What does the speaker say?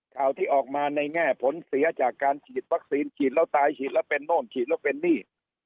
ข่าวที่ออกมาในแง่ผลเสียจากการฉีดวัคซีนฉีดแล้วตายฉีดแล้วเป็นโน่นฉีดแล้วเป็นหนี้